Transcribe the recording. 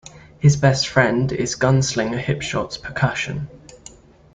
His best friend is gunslinger Hipshot Percussion.